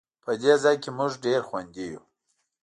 په دې ځای کې مونږ ډېر خوندي یو